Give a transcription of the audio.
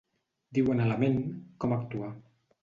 Diuen a la ment com actuar.